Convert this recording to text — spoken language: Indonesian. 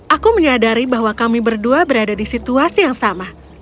aku menyadari bahwa kami berdua berada di situasi yang sama